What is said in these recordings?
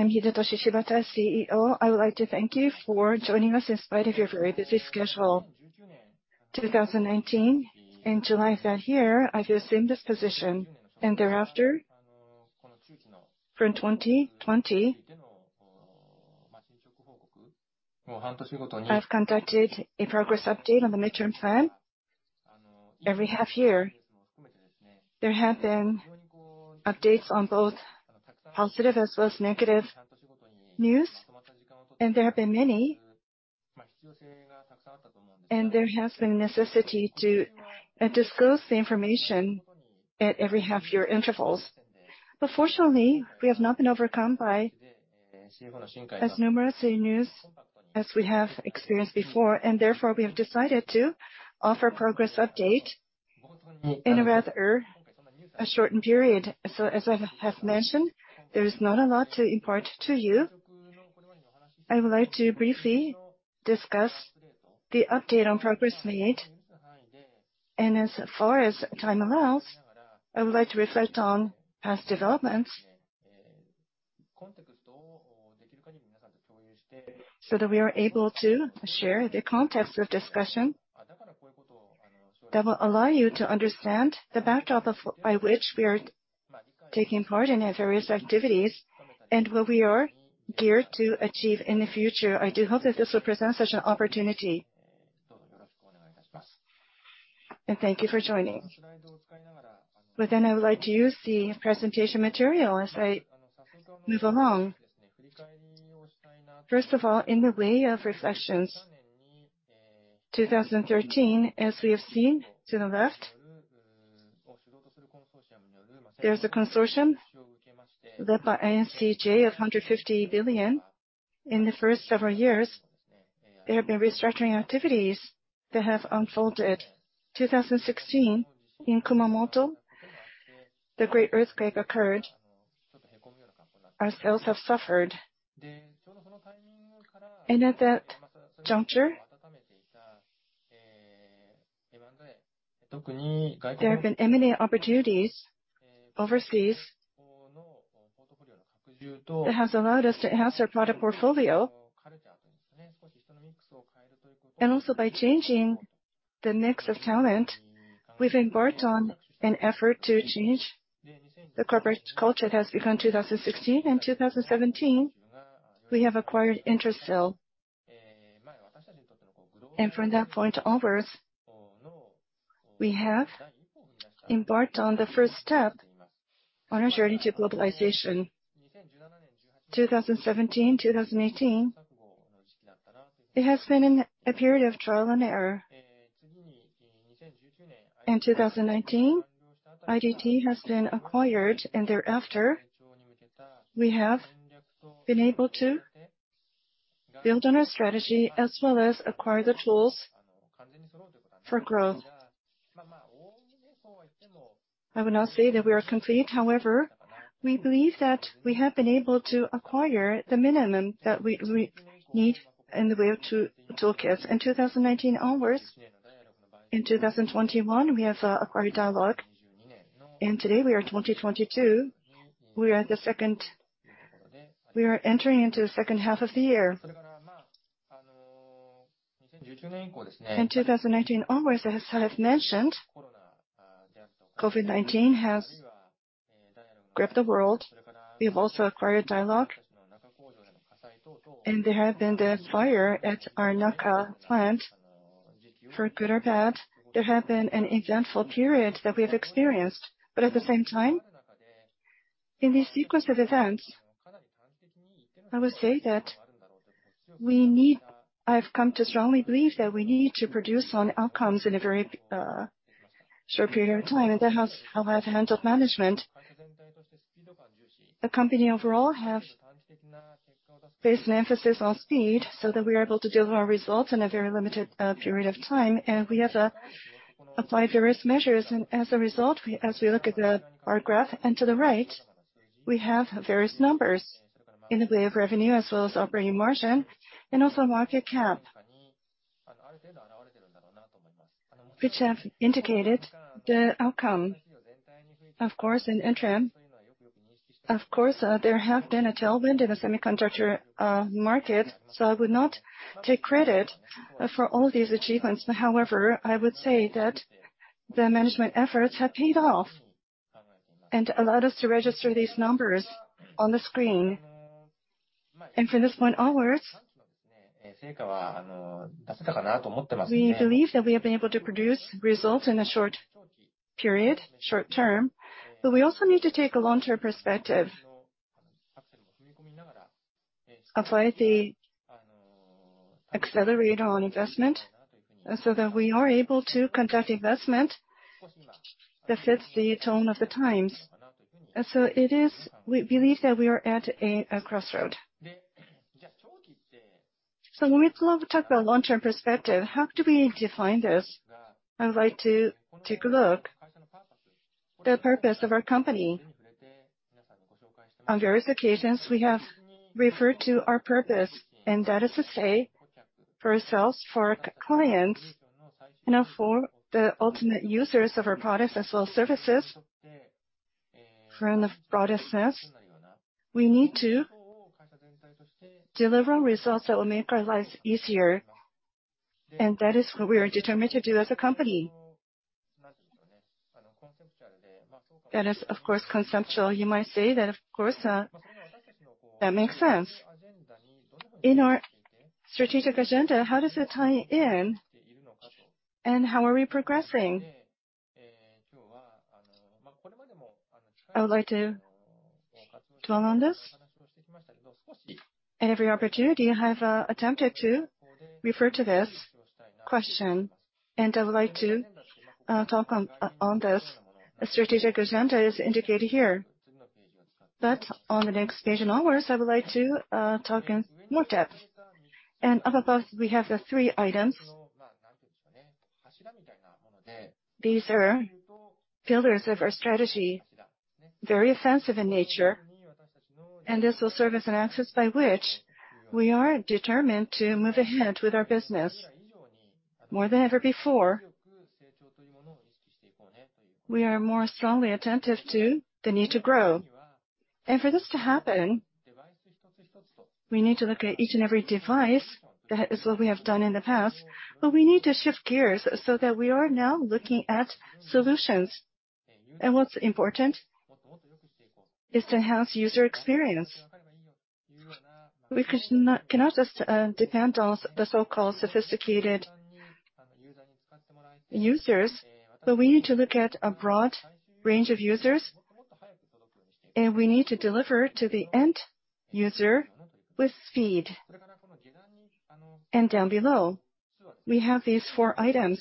I'm Hidetoshi Shibata, CEO. I would like to thank you for joining us in spite of your very busy schedule. 2019, in July that year, I assumed this position, and thereafter, for 2020, I've conducted a progress update on the midterm plan every half year. There have been updates on both positive as well as negative news, and there have been many. There has been necessity to disclose the information at every half-year intervals. Fortunately, we have not been overcome by as numerous news as we have experienced before, and therefore, we have decided to offer progress update in a rather shortened period. As I have mentioned, there is not a lot to impart to you. I would like to briefly discuss the update on progress made. As far as time allows, I would like to reflect on past developments so that we are able to share the context of discussion that will allow you to understand the backdrop of by which we are taking part in various activities and what we are geared to achieve in the future. I do hope that this will present such an opportunity. Thank you for joining. I would like to use the presentation material as I move along. First of all, in the way of reflections, 2013, as we have seen to the left, there's a consortium led by INCJ of 150 billion. In the first several years, there have been restructuring activities that have unfolded. 2016, in Kumamoto, the great earthquake occurred. Our sales have suffered. At that juncture, there have been many opportunities overseas that has allowed us to enhance our product portfolio. Also by changing the mix of talent, we've embarked on an effort to change the corporate culture that has begun 2016. In 2017, we have acquired Intersil. From that point onwards, we have embarked on the first step on our journey to globalization. 2017, 2018, it has been a period of trial and error. In 2019, IDT has been acquired, and thereafter, we have been able to build on our strategy as well as acquire the tools for growth. I will not say that we are complete. However, we believe that we have been able to acquire the minimum that we need in the way of toolkits. In 2019 onwards, in 2021, we have acquired Dialog. Today, we are 2022. We are entering into the second half of the year. In 2019 onwards, as I have mentioned, COVID-19 has gripped the world. We have also acquired Dialog, and there has been a fire at our Naka plant. For good or bad, there has been an eventful period that we have experienced. At the same time, in this sequence of events, I would say that we need. I've come to strongly believe that we need to focus on outcomes in a very short period of time. That has allowed the hands of management. The company overall have placed an emphasis on speed so that we are able to deliver our results in a very limited period of time. We have applied various measures. As a result, as we look at the bar graph to the right, we have various numbers in the way of revenue as well as operating margin and also market cap, which have indicated the outcome. Of course, in the interim, of course, there have been a tailwind in the semiconductor market, so I would not take credit for all these achievements. However, I would say that the management efforts have paid off and allowed us to register these numbers on the screen. From this point onwards, we believe that we have been able to produce results in the short period, short term, but we also need to take a long-term perspective. Apply the accelerator on investment so that we are able to conduct investment that sets the tone of the times. It is, we believe that we are at a crossroad. When we talk about long-term perspective, how do we define this? I would like to take a look. The purpose of our company. On various occasions, we have referred to our purpose, and that is to say, for ourselves, for our clients, and now for the ultimate users of our products as well as services. For in the broadest sense, we need to deliver results that will make our lives easier, and that is what we are determined to do as a company. That is, of course, conceptual. You might say that, of course, that makes sense. In our strategic agenda, how does it tie in, and how are we progressing? I would like to dwell on this. Every opportunity I have attempted to refer to this question, and I would like to talk on this. The strategic agenda is indicated here. On the next page onwards, I would like to talk in more depth. Up above, we have the three items. These are pillars of our strategy, very offensive in nature, and this will serve as an axis by which we are determined to move ahead with our business. More than ever before, we are more strongly attentive to the need to grow. For this to happen, we need to look at each and every device. That is what we have done in the past. We need to shift gears so that we are now looking at solutions. What's important is to enhance user experience. We cannot just depend on the so-called sophisticated users, but we need to look at a broad range of users, and we need to deliver to the end user with speed. Down below, we have these four items,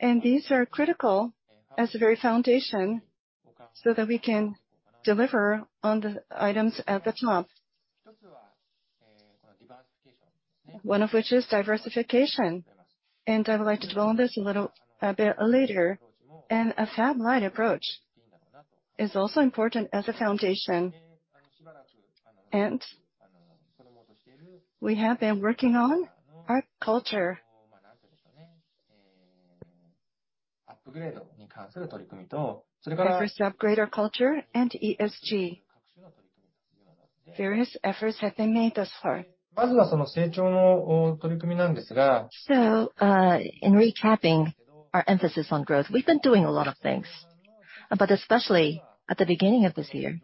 and these are critical as the very foundation so that we can deliver on the items at the top. One of which is diversification, and I would like to dwell on this a little, a bit later. A fab-lite approach is also important as a foundation. We have been working on our culture. Various upgrades to our culture and ESG. Various efforts have been made thus far. In recapping our emphasis on growth, we've been doing a lot of things. Especially at the beginning of this year,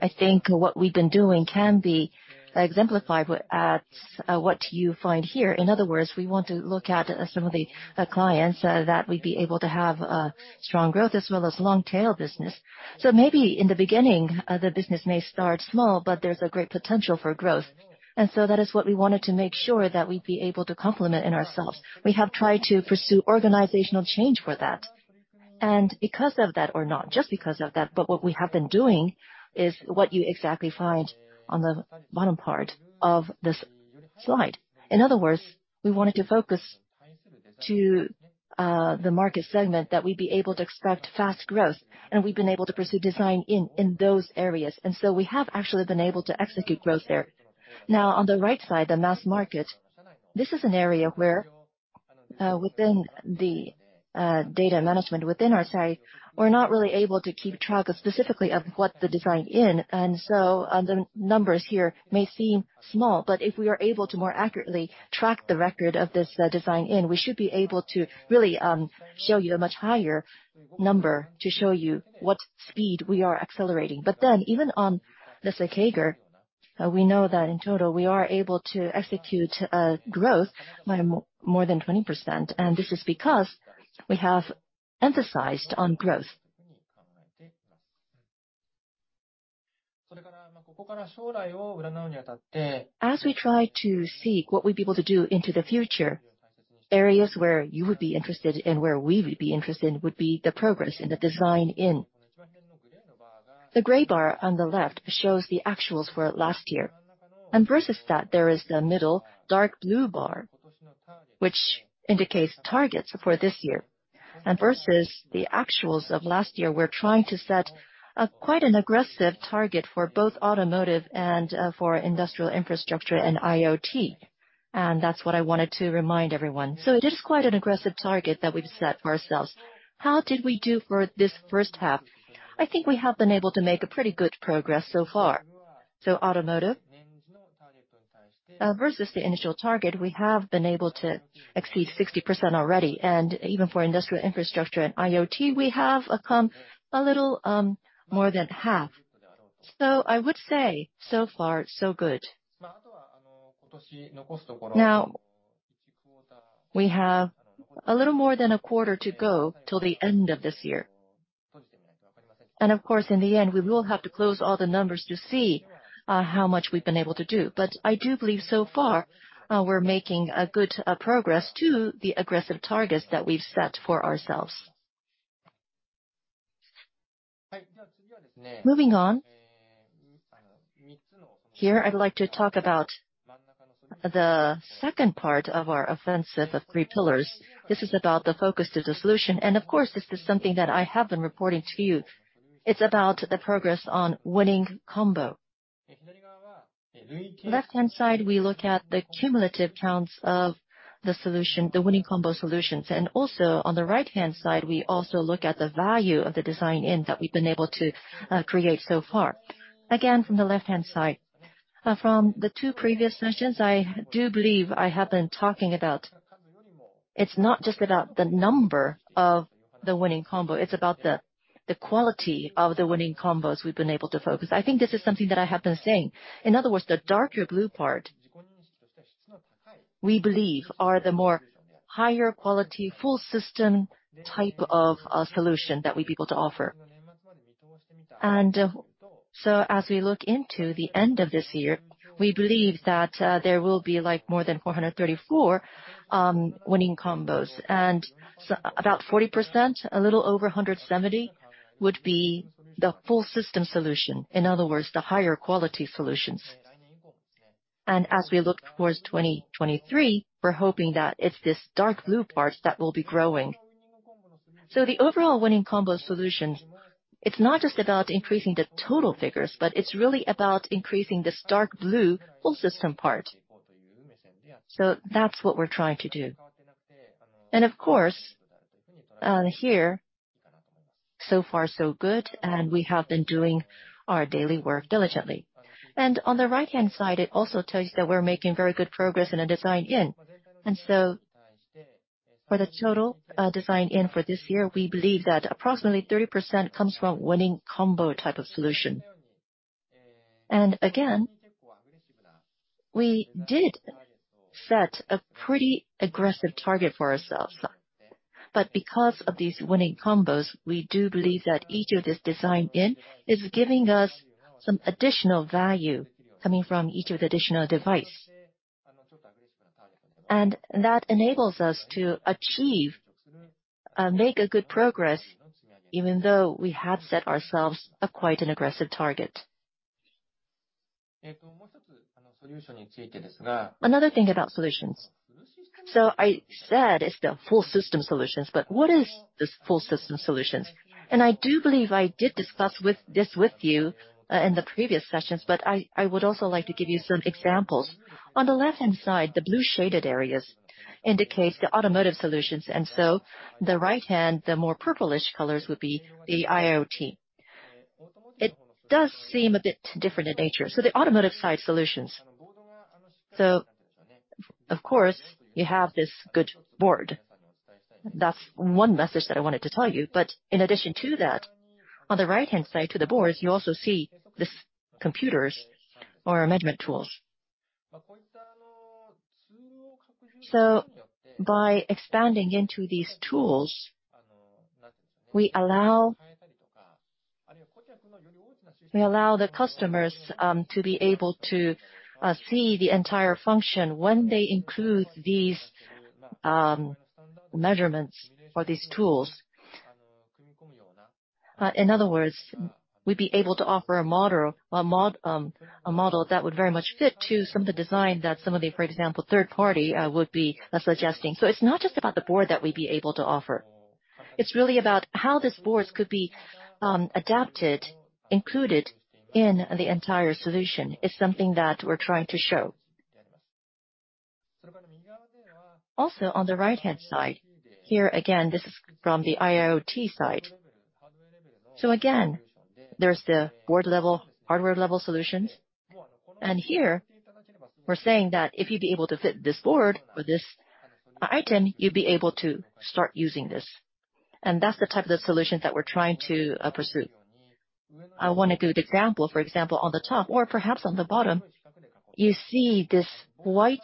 I think what we've been doing can be exemplified what you find here. In other words, we want to look at some of the clients that we'd be able to have strong growth as well as long tail business. Maybe in the beginning, the business may start small, but there's a great potential for growth. That is what we wanted to make sure that we'd be able to complement in ourselves. We have tried to pursue organizational change for that. Because of that, or not just because of that, but what we have been doing is what you exactly find on the bottom part of this slide. In other words, we wanted to focus to the market segment that we'd be able to expect fast growth, and we've been able to pursue design-in in those areas. We have actually been able to execute growth there. Now, on the right side, the mass market, this is an area where within the data management within our site, we're not really able to keep track specifically of what the design-in. The numbers here may seem small, but if we are able to more accurately track the record of this design-in, we should be able to really show you a much higher number to show you what speed we are accelerating. Even on the Sekiguchi, we know that in total, we are able to execute growth by more than 20%. This is because we have emphasized on growth. As we try to seek what we'd be able to do into the future, areas where you would be interested and where we would be interested would be the progress in the design-in. The gray bar on the left shows the actuals for last year. Versus that, there is the middle dark blue bar, which indicates targets for this year. Versus the actuals of last year, we're trying to set a quite an aggressive target for both automotive and for industrial infrastructure and IoT. That's what I wanted to remind everyone. It is quite an aggressive target that we've set ourselves. How did we do for this first half? I think we have been able to make a pretty good progress so far. Automotive versus the initial target, we have been able to exceed 60% already. Even for industrial infrastructure and IoT, we have come a little more than half. I would say, so far so good. Now, we have a little more than a quarter to go till the end of this year. Of course, in the end, we will have to close all the numbers to see how much we've been able to do. I do believe so far, we're making a good progress to the aggressive targets that we've set for ourselves. Moving on. Here, I'd like to talk about the second part of our offensive of three pillars. This is about the focus to the solution. Of course, this is something that I have been reporting to you. It's about the progress on Winning Combinations. Left-hand side, we look at the cumulative counts of the solution, the Winning Combinations solutions. On the right-hand side, we also look at the value of the design-in that we've been able to create so far. From the left-hand side, from the two previous sessions, I do believe I have been talking about it's not just about the number of the Winning Combinations, it's about the quality of the winning combos we've been able to focus. I think this is something that I have been saying. In other words, the darker blue part, we believe are the more higher quality, full system type of a solution that we're able to offer. As we look into the end of this year, we believe that there will be like more than 434 Winning Combinations. About 40%, a little over 170, would be the full system solution, in other words, the higher quality solutions. As we look towards 2023, we're hoping that it's this dark blue part that will be growing. The overall Winning Combinations solution, it's not just about increasing the total figures, but it's really about increasing this dark blue full system part. That's what we're trying to do. Of course, so far, so good, and we have been doing our daily work diligently. On the right-hand side, it also tells you that we're making very good progress in the design-in. For the total design-in for this year, we believe that approximately 30% comes from Winning Combinations type of solution. Again, we did set a pretty aggressive target for ourselves. Because of these winning combos, we do believe that each of this design-in is giving us some additional value coming from each of the additional device. That enables us to achieve make a good progress even though we have set ourselves a quite an aggressive target. Another thing about solutions. I said it's the full system solutions, but what is this full system solutions? I do believe I did discuss this with you in the previous sessions, but I would also like to give you some examples. On the left-hand side, the blue shaded areas indicate the automotive solutions, and so, the right-hand, the more purplish colors, would be the IoT. It does seem a bit different in nature. The automotive side solutions. Of course, you have this good board. That's one message that I wanted to tell you. In addition to that, on the right-hand side to the boards, you also see these computers or measurement tools. By expanding into these tools, we allow the customers to be able to see the entire function when they include these measurements for these tools. In other words, we'd be able to offer a model that would very much fit to some of the design that some of the, for example, third party would be suggesting. It's not just about the board that we'd be able to offer. It's really about how these boards could be, adapted, included in the entire solution, is something that we're trying to show. Also on the right-hand side, here again, this is from the IoT side. Again, there's the board level, hardware level solutions. Here we're saying that if you'd be able to fit this board or this item, you'd be able to start using this. That's the type of solutions that we're trying to pursue. I want to do an example. For example, on the top or perhaps on the bottom, you see this white,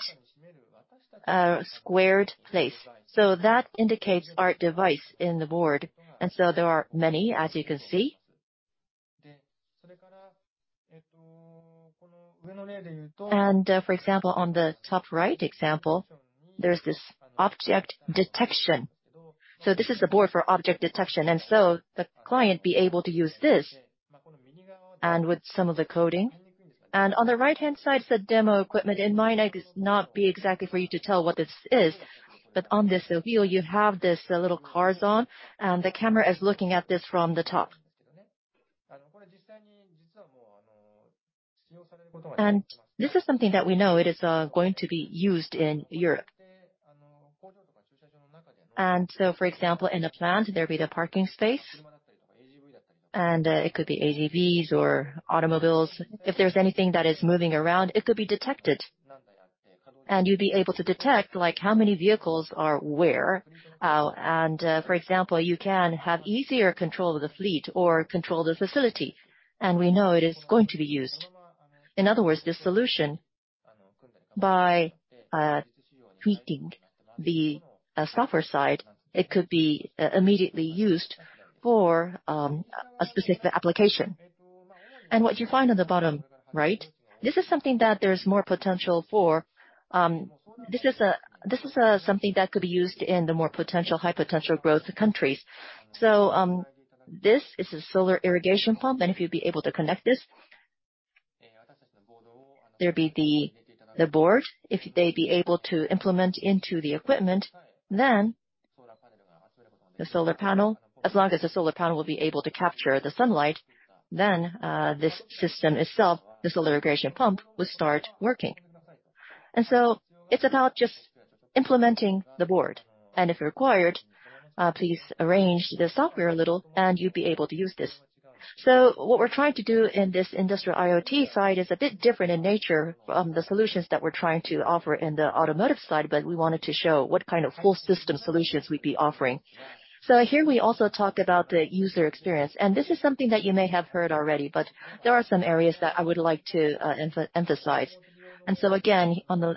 squared place. That indicates our device in the board. There are many, as you can see. For example, on the top right example, there's this object detection. This is the board for object detection, and the client be able to use this and with some of the coding. On the right-hand side is the demo equipment. It might not be exactly for you to tell what this is, but on this wheel, you have these little cars on, and the camera is looking at this from the top. This is something that we know it is going to be used in Europe. For example, in the plant, there'd be the parking space, and it could be AGVs or automobiles. If there's anything that is moving around, it could be detected. You'd be able to detect, like, how many vehicles are where, and for example, you can have easier control of the fleet or control the facility, and we know it is going to be used. In other words, this solution, by tweaking the software side, it could be immediately used for a specific application. What you find on the bottom right, this is something that there's more potential for. This is something that could be used in the more potential, high potential growth countries. This is a solar irrigation pump, and if you'd be able to connect this. There'll be the board. If they'd be able to implement into the equipment, then the solar panel, as long as the solar panel will be able to capture the sunlight, then this system itself, the solar irrigation pump, will start working. It's about just implementing the board. If required, please arrange the software a little, and you'll be able to use this. What we're trying to do in this industrial IoT side is a bit different in nature from the solutions that we're trying to offer in the automotive side, but we wanted to show what kind of full system solutions we'd be offering. Here we also talk about the user experience, and this is something that you may have heard already, but there are some areas that I would like to emphasize. Again, on the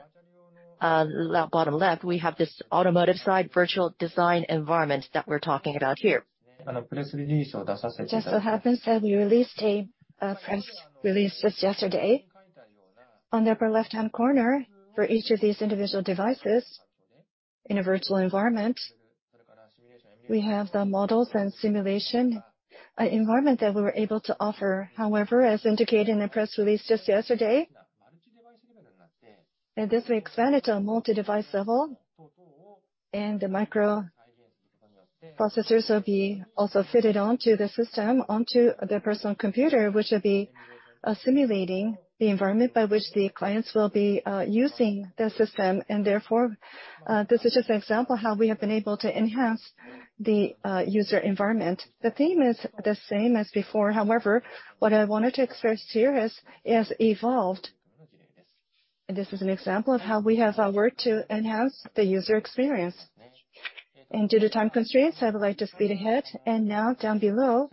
left, bottom left, we have this automotive side virtual design environment that we're talking about here. Just so happens that we released a press release just yesterday. On the upper left-hand corner, for each of these individual devices in a virtual environment, we have the models and simulation, an environment that we were able to offer. However, as indicated in the press release just yesterday, this we expanded to a multi-device level, and the microprocessors will be also fitted onto the system, onto the personal computer, which will be simulating the environment by which the clients will be using the system. Therefore, this is just an example how we have been able to enhance the user environment. The theme is the same as before. However, what I wanted to express here is, it has evolved. This is an example of how we have worked to enhance the user experience. Due to time constraints, I would like to speed ahead. Now down below,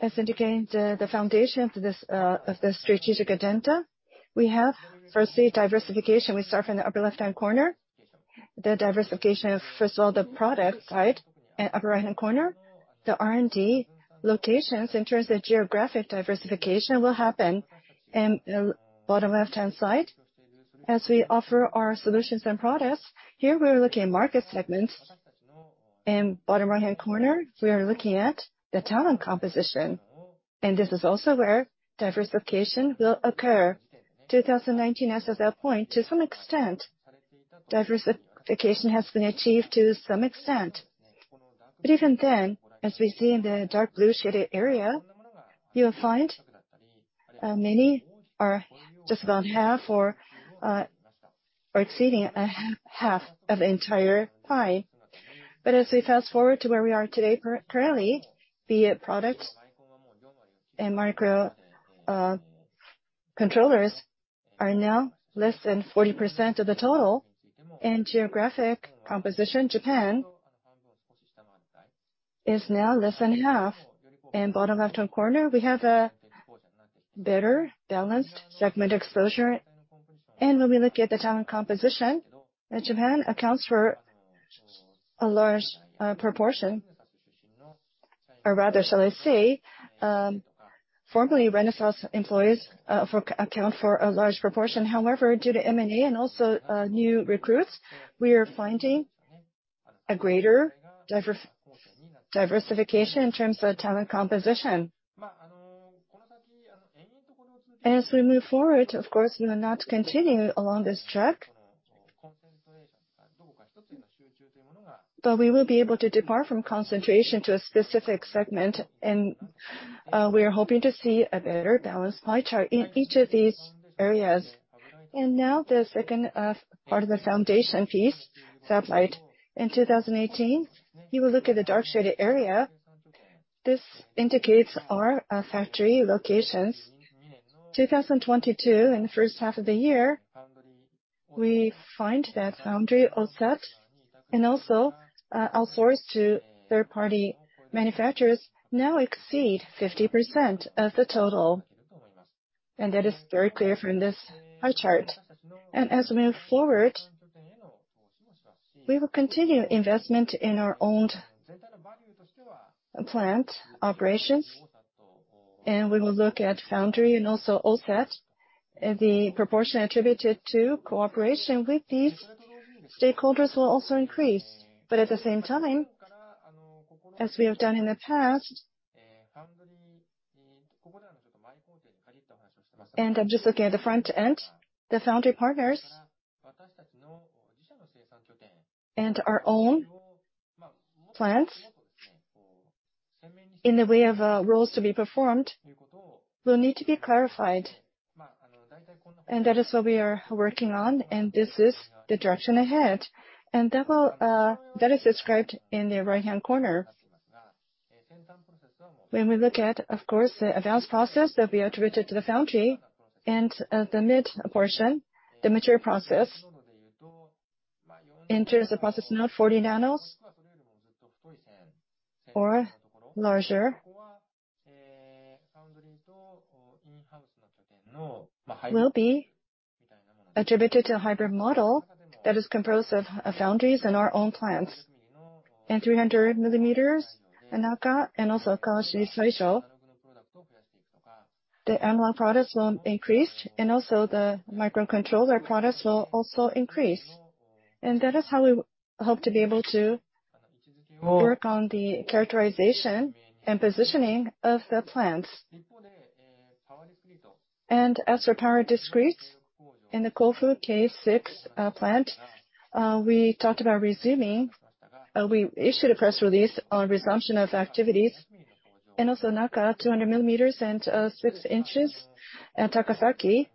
as indicated, the foundation to this of the strategic agenda, we have firstly diversification. We start from the upper left-hand corner. The diversification of, first of all, the product side. Upper right-hand corner, the R&D locations in terms of geographic diversification will happen. Bottom left-hand side, as we offer our solutions and products, here we're looking at market segments. Bottom right-hand corner, we are looking at the talent composition. This is also where diversification will occur. 2019, as of that point, to some extent, diversification has been achieved to some extent. Even then, as we see in the dark blue shaded area, you will find many are just about half or exceeding a half of the entire pie. As we fast-forward to where we are today currently, be it products and microcontrollers are now less than 40% of the total. Geographic composition, Japan is now less than half. Bottom left-hand corner, we have a better balanced segment exposure. When we look at the talent composition, Japan accounts for a large proportion. Or rather, shall I say, formerly Renesas employees account for a large proportion. However, due to M&A and also new recruits, we are finding a greater diversification in terms of talent composition. As we move forward, of course, we will not continue along this track. We will be able to depart from concentration to a specific segment, and we are hoping to see a better balanced pie chart in each of these areas. Now the second part of the foundation piece, fab-lite. In 2018, if you will look at the dark shaded area, this indicates our factory locations. 2022, in the first half of the year, we find that foundry offset and also outsourced to third-party manufacturers now exceed 50% of the total. That is very clear from this pie chart. As we move forward, we will continue investment in our owned plant operations, and we will look at foundry and also offset. The proportion attributed to cooperation with these stakeholders will also increase. At the same time, as we have done in the past, and I'm just looking at the front end, the foundry partners and our own plants, in the way of roles to be performed, will need to be clarified. That is what we are working on, and this is the direction ahead. That will, that is described in the right-hand corner. When we look at, of course, the advanced process that'll be attributed to the foundry and, the mid portion, the mature process, in terms of process node, 40 nanos or larger, will be attributed to a hybrid model that is comprised of foundries and our own plants. In 300 mm, Naka and also Kawashiri Saijo, the analog products will increase, and also the microcontroller products will also increase. That is how we hope to be able to work on the characterization and positioning of the plants. As for power discrete in the Kofu K6 plant, we talked about resuming, we issued a press release on resumption of activities and 200 mm and six inches at Takasaki.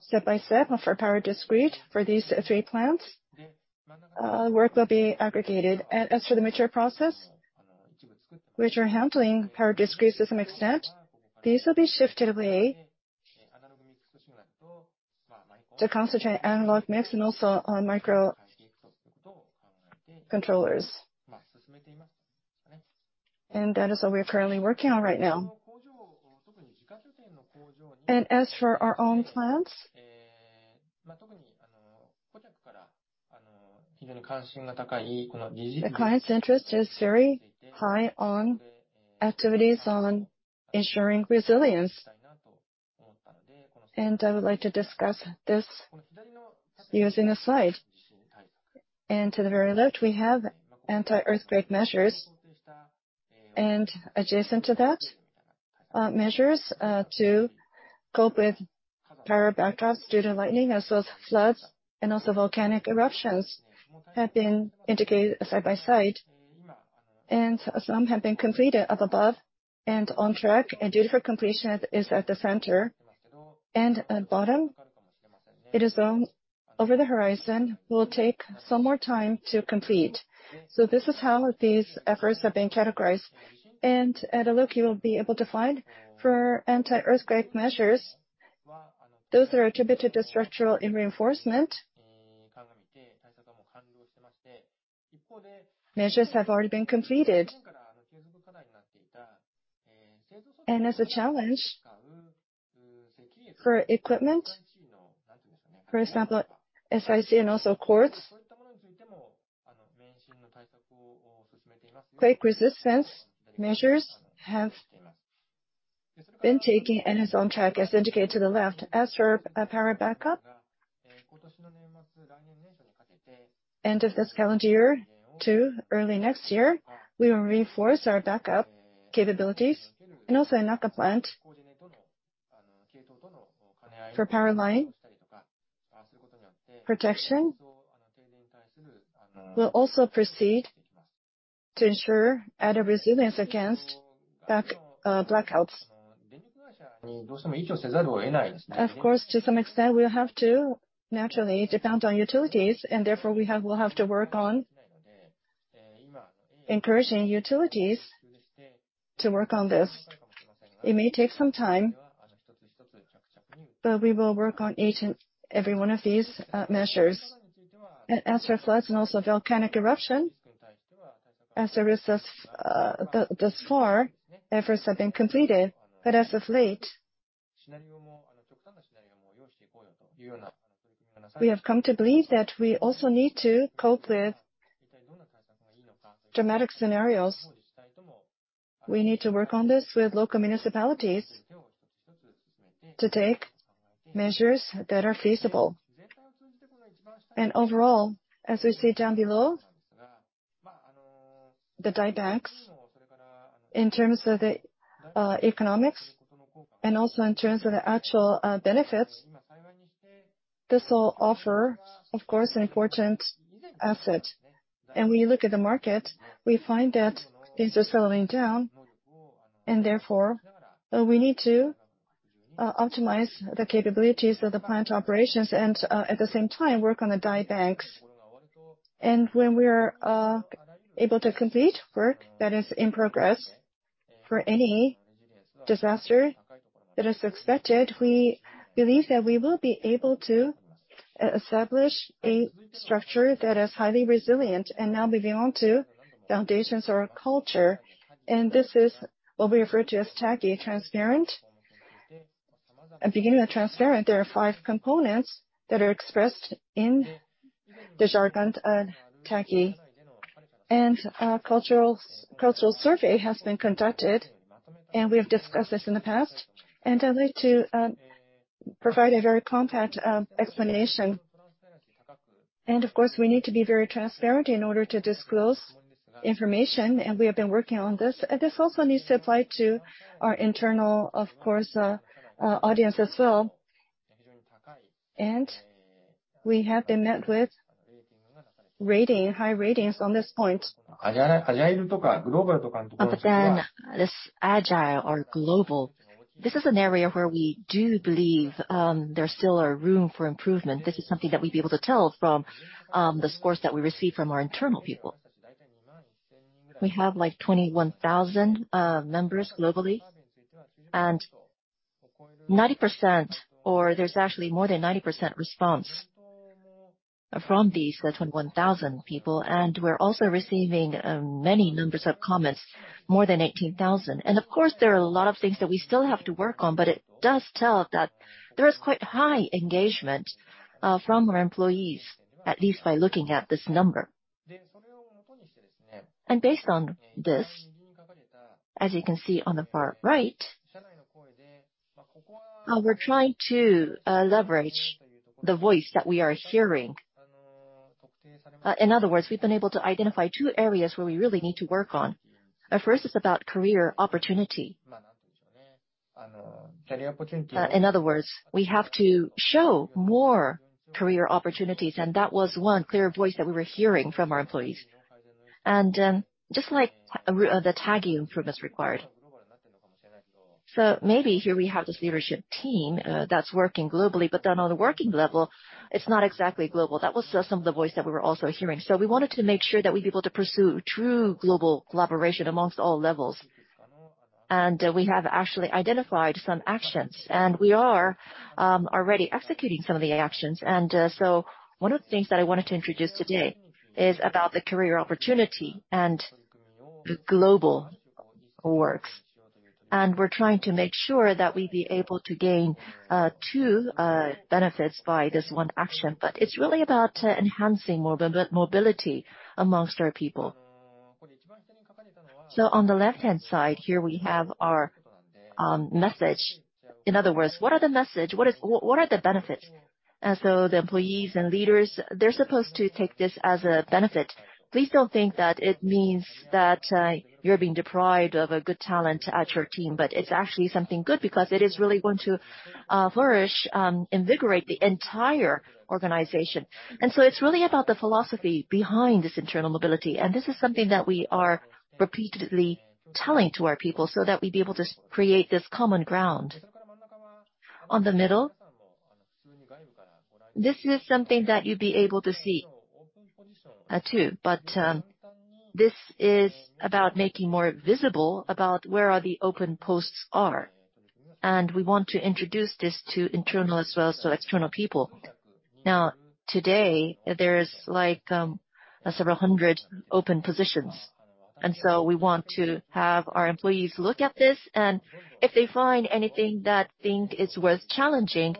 Step by step for power discrete for these three plants, work will be aggregated. As for the mature process, which are handling power discrete to some extent, these will be shifted away to concentrate analog mix and also on microcontrollers. That is what we are currently working on right now. As for our own plants, the client's interest is very high on activities on ensuring resilience. I would like to discuss this using a slide. To the very left, we have anti-earthquake measures. Adjacent to that, measures to cope with power backups due to lightning, as well as floods and also volcanic eruptions, have been indicated side by side. Some have been completed up above and on track. Due for completion is at the center. At bottom, it is over the horizon, will take some more time to complete. This is how these efforts have been categorized. At a look, you will be able to find for anti-earthquake measures, those that are attributed to structural reinforcement. Measures have already been completed. As a challenge for equipment, for example, SiC and also quartz. Quake resistance measures have been taking and is on track as indicated to the left. As for power backup, end of this calendar year to early next year, we will reinforce our backup capabilities. Also in Naka plant, for power line protection, we'll also proceed to ensure added resilience against blackouts. Of course, to some extent, we'll have to naturally depend on utilities, and therefore, we'll have to work on encouraging utilities to work on this. It may take some time, but we will work on each and every one of these, measures. As for floods and also volcanic eruption, as a result, thus far, efforts have been completed. As of late, we have come to believe that we also need to cope with dramatic scenarios. We need to work on this with local municipalities to take measures that are feasible. Overall, as we see down below, the die banks, in terms of the, economics and also in terms of the actual, benefits, this will offer, of course, an important asset. When you look at the market, we find that things are slowing down and therefore, we need to, optimize the capabilities of the plant operations and, at the same time, work on the die banks. When we are able to complete work that is in progress for any disaster that is expected, we believe that we will be able to establish a structure that is highly resilient. Now moving on to foundations or culture. This is what we refer to as TAGIE, transparent. At beginning of transparent, there are five components that are expressed in the jargon, TAGIE. Cultural survey has been conducted, and we have discussed this in the past, and I'd like to provide a very compact explanation. Of course, we need to be very transparent in order to disclose information, and we have been working on this. This also needs to apply to our internal, of course, audience as well. We have been met with high ratings on this point. Other than this agile or global, this is an area where we do believe there still are room for improvement. This is something that we'd be able to tell from the scores that we receive from our internal people. We have, like, 21,000 members globally and 90% or there's actually more than 90% response from these 21,000 people. We're also receiving many numbers of comments, more than 18,000. Of course, there are a lot of things that we still have to work on, but it does tell that there is quite high engagement from our employees, at least by looking at this number. Based on this, as you can see on the far right We're trying to leverage the voice that we are hearing. In other words, we've been able to identify two areas where we really need to work on. Our first is about career opportunity. In other words, we have to show more career opportunities, and that was one clear voice that we were hearing from our employees. Just like the tagging form is required. Maybe here we have this leadership team that's working globally, but then on the working level, it's not exactly global. That was some of the voice that we were also hearing. We wanted to make sure that we'd be able to pursue true global collaboration among all levels. We have actually identified some actions. We are already executing some of the actions. One of the things that I wanted to introduce today is about the career opportunity and the global works. We're trying to make sure that we'd be able to gain two benefits by this one action. It's really about enhancing mobility among our people. On the left-hand side here we have our message. In other words, what are the message? What are the benefits? The employees and leaders, they're supposed to take this as a benefit. Please don't think that it means that you're being deprived of a good talent at your team, but it's actually something good because it is really going to flourish invigorate the entire organization. It's really about the philosophy behind this internal mobility, and this is something that we are repeatedly telling to our people so that we'd be able to create this common ground. In the middle, this is something that you'd be able to see too. This is about making more visible about where are the open posts are. We want to introduce this to internal as well as to external people. Now, today, there is, like, several hundred open positions, and so we want to have our employees look at this. If they find anything that they think is worth challenging,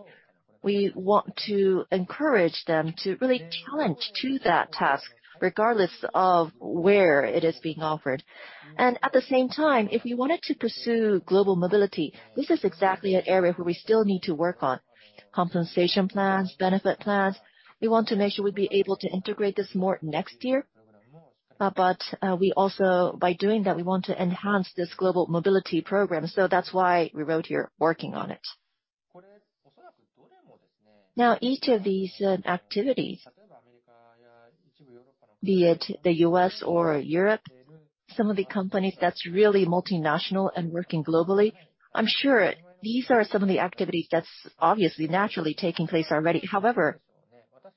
we want to encourage them to really challenge to that task, regardless of where it is being offered. At the same time, if we wanted to pursue global mobility, this is exactly an area where we still need to work on. Compensation plans, benefit plans. We want to make sure we'd be able to integrate this more next year. We also, by doing that, we want to enhance this global mobility program. That's why we wrote here, "Working on it." Now, each of these activities, be it the U.S. or Europe, some of the companies that's really multinational and working globally, I'm sure these are some of the activities that's obviously naturally taking place already. However,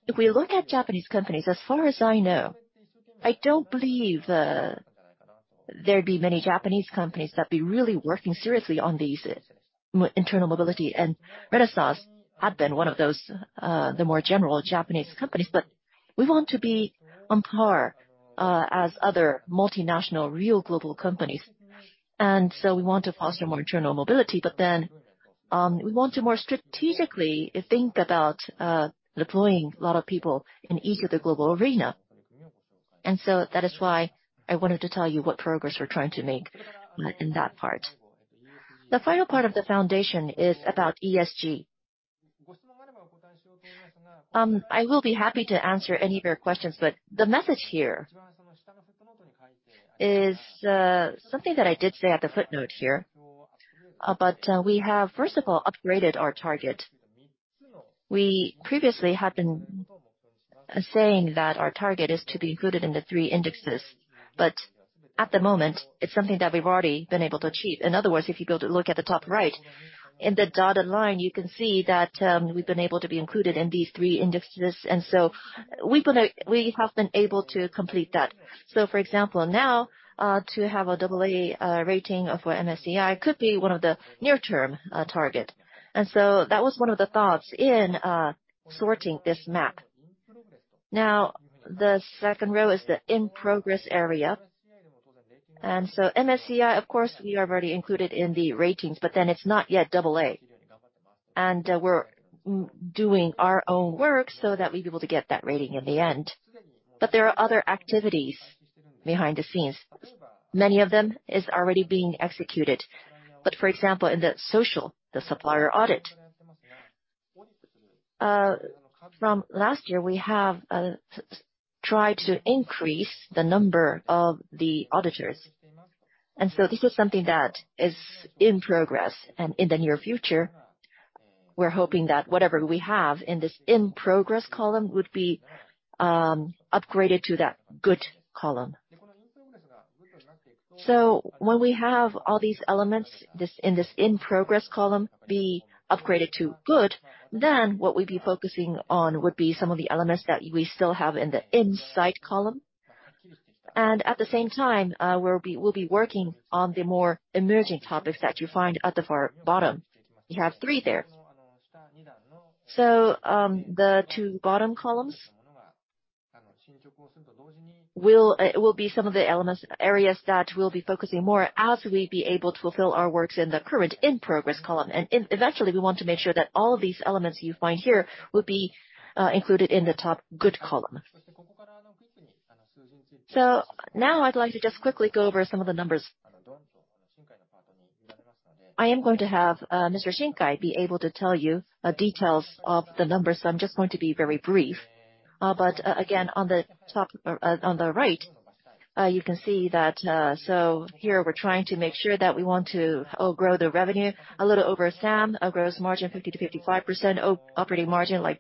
if we look at Japanese companies, as far as I know, I don't believe there'd be many Japanese companies that'd be really working seriously on these internal mobility. Renesas had been one of those, the more general Japanese companies. We want to be on par as other multinational real global companies. We want to foster more internal mobility, but then, we want to more strategically think about deploying a lot of people in each of the global arena. That is why I wanted to tell you what progress we're trying to make in that part. The final part of the foundation is about ESG. I will be happy to answer any of your questions, but the message here is something that I did say at the footnote here. We have, first of all, upgraded our target. We previously had been saying that our target is to be included in the three indexes, but at the moment, it's something that we've already been able to achieve. In other words, if you go to look at the top right, in the dotted line, you can see that we've been able to be included in these three indexes. We have been able to complete that. For example, now to have an double AA rating of our MSCI could be one of the near-term target. That was one of the thoughts in sorting this map. Now, the second row is the in-progress area. MSCI, of course, we are already included in the ratings, but then it's not yet AA. We're doing our own work so that we'd be able to get that rating in the end. There are other activities behind the scenes. Many of them is already being executed. For example, in the social, the supplier audit. From last year, we have tried to increase the number of the auditors. This is something that is in progress. In the near future, we're hoping that whatever we have in this in progress column would be upgraded to that good column. When we have all these elements in this in progress column be upgraded to good, then what we'd be focusing on would be some of the elements that we still have in the inside column. At the same time, we'll be working on the more emerging topics that you find at the far bottom. You have three there. The two bottom columns will be some of the elements, areas that we'll be focusing more as we'd be able to fulfill our works in the current in progress column. Eventually, we want to make sure that all of these elements you find here will be included in the top good column. Now I'd like to just quickly go over some of the numbers. I am going to have Mr. Shinkai be able to tell you details of the numbers, so I'm just going to be very brief. Again, on the top, or on the right, you can see that, so here we're trying to make sure that we want to outgrow the revenue. A little over SAM, our gross margin 50%-55%, operating margin like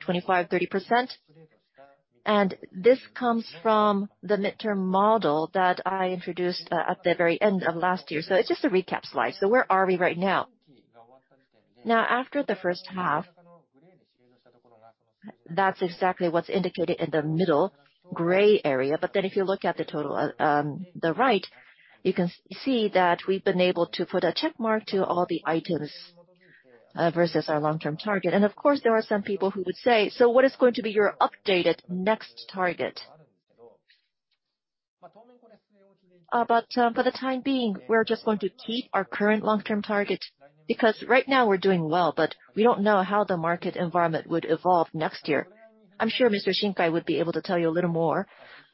25%-30%. This comes from the midterm model that I introduced at the very end of last year. It's just a recap slide. Where are we right now? Now, after the first half, that's exactly what's indicated in the middle gray area. If you look at the total, the right, you can see that we've been able to put a checkmark to all the items versus our long-term target. Of course, there are some people who would say, "So what is going to be your updated next target?" For the time being, we're just going to keep our current long-term target, because right now we're doing well, but we don't know how the market environment would evolve next year. I'm sure Mr. Shinkai would be able to tell you a little more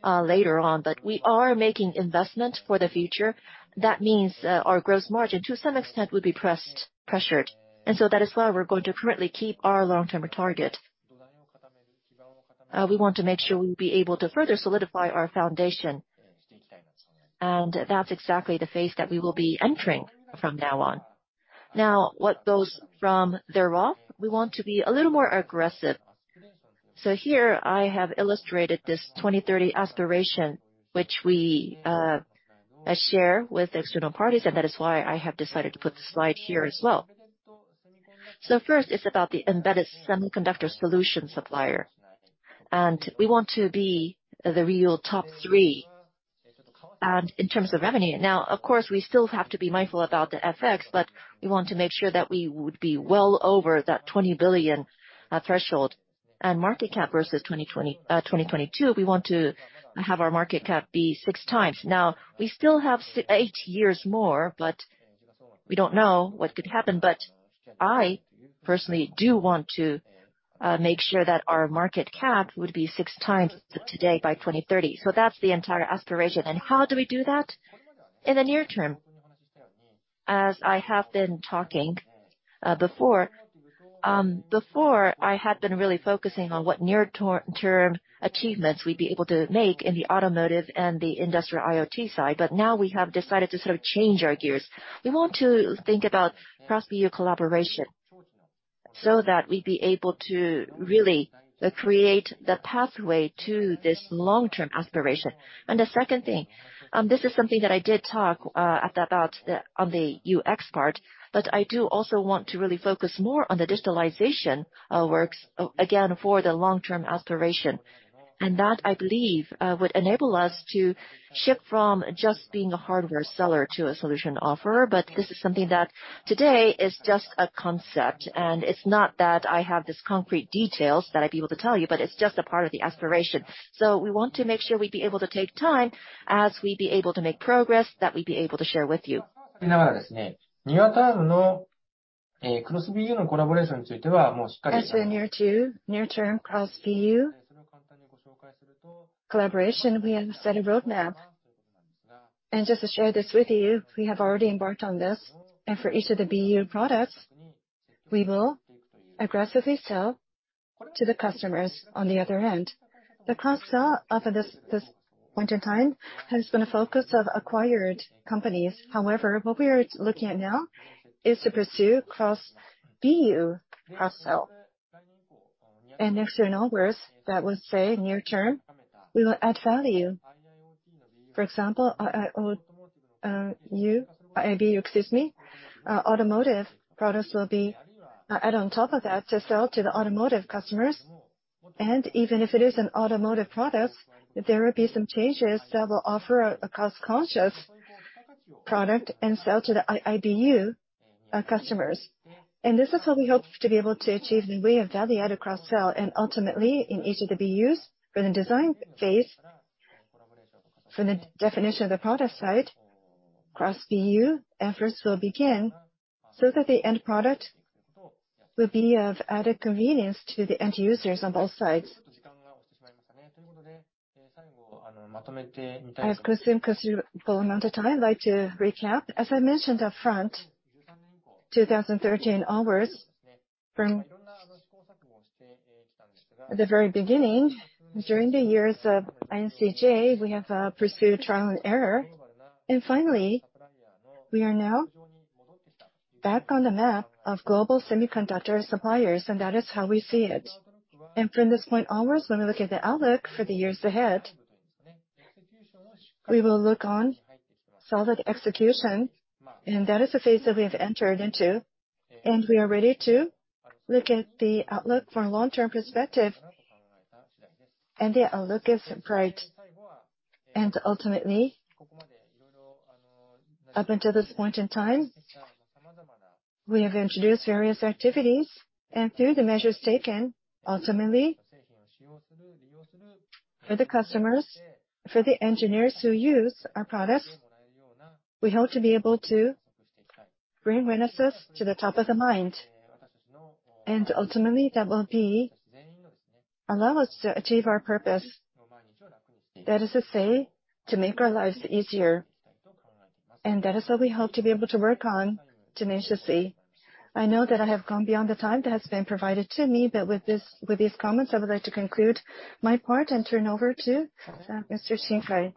later on, but we are making investments for the future. That means our gross margin, to some extent, will be pressured. That is why we're going to currently keep our long-term target. We want to make sure we will be able to further solidify our foundation. That's exactly the phase that we will be entering from now on. What goes from thereafter, we want to be a little more aggressive. Here I have illustrated this 2030 aspiration which we share with external parties, and that is why I have decided to put the slide here as well. First, it's about the embedded semiconductor solution supplier. We want to be the real top three. In terms of revenue, of course, we still have to be mindful about the FX, but we want to make sure that we would be well over that $20 billion threshold. Market cap versus 2020, 2022, we want to have our market cap be six times. Now, we still have eight years more, but we don't know what could happen. I personally do want to make sure that our market cap would be 6 times today by 2030. That's the entire aspiration. How do we do that? In the near term, as I have been talking before, I had been really focusing on what near-term achievements we'd be able to make in the automotive and the industrial IoT side, but now we have decided to sort of change our gears. We want to think about cross BU collaboration so that we'd be able to really create the pathway to this long-term aspiration. The second thing, this is something that I did talk at about the on the UX part, but I do also want to really focus more on the digitalization works, again, for the long-term aspiration. That, I believe, would enable us to shift from just being a hardware seller to a solution offerer, but this is something that today is just a concept, and it's not that I have these concrete details that I'd be able to tell you, but it's just a part of the aspiration. We want to make sure we'd be able to take time as we'd be able to make progress that we'd be able to share with you. As the near-term cross BU collaboration, we have set a roadmap. Just to share this with you, we have already embarked on this. For each of the BU products, we will aggressively sell to the customers on the other end. The cross-sell up until this point in time has been a focus of acquired companies. However, what we are looking at now is to pursue cross BU cross-sell. From here in onwards, that is to say near term, we will add value. For example, IIBU automotive products will be added on top of that to sell to the automotive customers. Even if it is an automotive product, there will be some chances that will offer a cost-conscious product and sell to the IIBU customers. This is how we hope to be able to achieve the way of value-added cross-sell. Ultimately, in each of the BUs, for the design phase, for the definition of the product side, cross-BU efforts will begin so that the end product will be of added convenience to the end users on both sides. I have consumed considerable amount of time. I'd like to recap. As I mentioned up front, 2013 onwards, from the very beginning, during the years of INCJ, we have pursued trial and error. Finally, we are now back on the map of global semiconductor suppliers, and that is how we see it. From this point onwards, when we look at the outlook for the years ahead, we will look on solid execution, and that is the phase that we have entered into. We are ready to look at the outlook for long-term perspective, and the outlook is bright. Ultimately, up until this point in time, we have introduced various activities. Through the measures taken, ultimately, for the customers, for the engineers who use our products, we hope to be able to bring Renesas to the top of the mind. Ultimately, that will allow us to achieve our purpose. That is to say, to make our lives easier. That is what we hope to be able to work on tenaciously. I know that I have gone beyond the time that has been provided to me, but with this, with these comments, I would like to conclude my part and turn over to Mr. Shinkai.